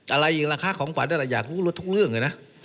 อะไรอีกราคาของขวัญนั่นแหละอยากรู้รถทุกเรื่องเลยนะ